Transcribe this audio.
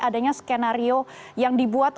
adanya skenario yang dibuat